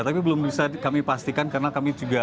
tapi belum bisa kami pastikan karena kami juga